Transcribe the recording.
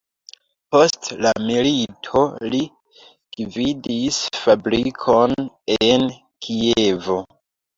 Post la milito li gvidis fabrikon en Kievo.